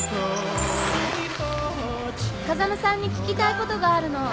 風間さんに聞きたいことがあるの。